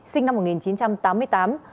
sinh năm một nghìn chín trăm tám mươi tám